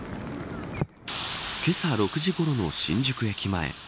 けさ６時ごろの新宿駅前。